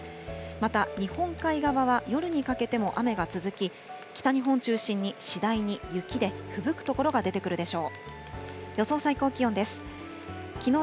また、日本海側は夜にかけても雨が続き、北日本中心に次第に雪でふぶく所が出てくるでしょう。